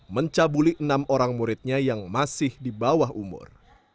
mencabuli enam orang muridnya yang masih di bawah umur